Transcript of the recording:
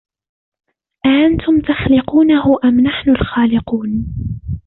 أَأَنتُمْ تَخْلُقُونَهُ أَمْ نَحْنُ الْخَالِقُونَ